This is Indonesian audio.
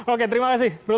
oke terima kasih ruli